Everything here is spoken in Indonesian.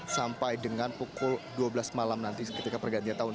sampai dengan pukul dua belas malam nanti ketika pergantian tahun